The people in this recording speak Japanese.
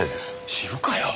知るかよ。